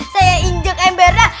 saya injek embernya